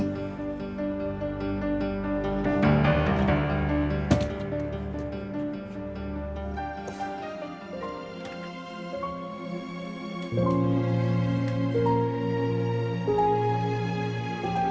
mama kamu sudah selesai